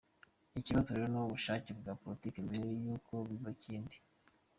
Ikibazo rero ni ubushake bwa politiki mbere y’uko biba ikindi.”